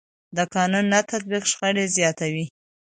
د قانون نه تطبیق شخړې زیاتوي